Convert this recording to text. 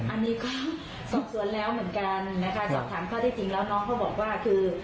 อันนี้ก็สอบสวนแล้วเหมือนกันนะคะสอบถามข้อที่จริงแล้วน้องเขาบอกว่าคือ